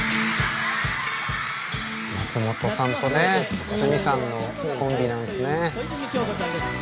松本さんとね筒美さんのコンビなんですね。